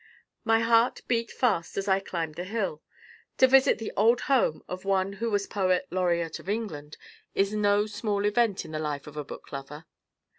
My heart beat fast as I climbed the hill. To visit the old home of one who was Poet Laureate of England is no small event in the life of a book lover.